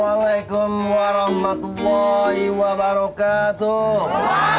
waalaikumsalam warahmatullahi wabarakatuh